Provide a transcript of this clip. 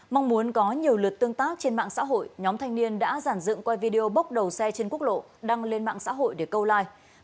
mong muốn có nhiều lượt tương tác trên mạng xã hội nhóm thanh niên đã giản dựng quay video bốc đầu xe trên quốc lộ đăng lên mạng xã hội để câu like